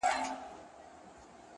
ستا د خوبولو سترگو رنگ يې راوړ-